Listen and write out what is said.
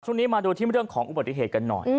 ช่วงนี้มาดูที่เรื่องของอุบัติเหตุกันหน่อย